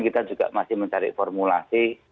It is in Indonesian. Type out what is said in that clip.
kita juga masih mencari formulasi